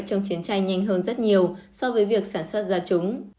trong chiến tranh nhanh hơn rất nhiều so với việc sản xuất ra chúng